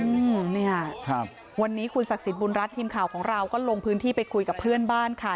อืมเนี่ยครับวันนี้คุณศักดิ์สิทธิบุญรัฐทีมข่าวของเราก็ลงพื้นที่ไปคุยกับเพื่อนบ้านค่ะ